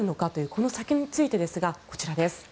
この先についてですがこちらです。